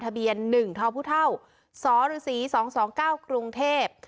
ทะเบียนหนึ่งเทาผู้เท่าสศ๒๒๙กรุงเทพฯ